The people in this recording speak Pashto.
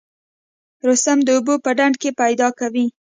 رستم د اوبو په ډنډ کې پیدا کوي.